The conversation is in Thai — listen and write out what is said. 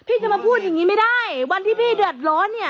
พี่จะมาพูดอย่างนี้ไม่ได้วันที่พี่เดือดร้อนเนี่ย